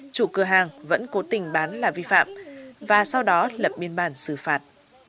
chủ cửa hàng vẫn cố tình bán là vi phạm và sau đó lập biên bản xử phạt